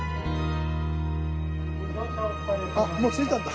あっもう着いたんだ。